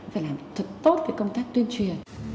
phải làm thật tốt công tác tuyên truyền